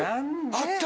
あった！